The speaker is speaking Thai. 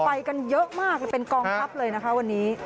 ไปกันเยอะมากเลยเป็นกองทัพเลยนะคะวันนี้